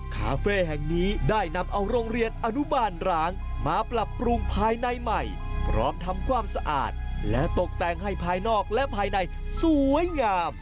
คาเฟ่แห่งนี้ได้นำเอาโรงเรียนอนุบาลร้างมาปรับปรุงภายในใหม่พร้อมทำความสะอาดและตกแต่งให้ภายนอกและภายในสวยงาม